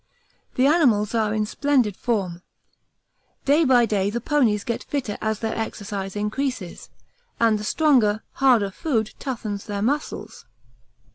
The animals are in splendid form. Day by day the ponies get fitter as their exercise increases, and the stronger, harder food toughens their muscles.